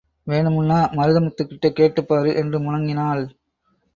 வேணுமுன்னா... மருதமுத்துக்கிட்ட கேட்டுப் பாரு... என்று முனங்கினாள்.